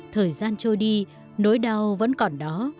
thời gian trôi đi nỗi đau vẫn còn đó